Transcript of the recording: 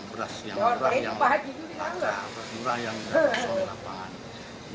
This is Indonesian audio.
beras medium yang beras yang murah yang laka beras murah yang beras yang lapangan